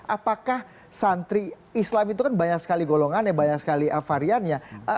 apakah santri islam itu kan banyak sekali golongan ya banyak sekali variannya